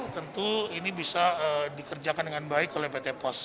tentu ini bisa dikerjakan dengan baik oleh pt pos